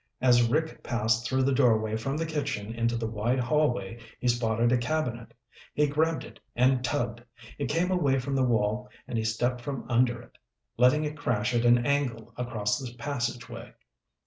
As Rick passed through the doorway from the kitchen into the wide hallway he spotted a cabinet. He grabbed it and tugged. It came away from the wall and he stepped from under it, letting it crash at an angle across the passageway.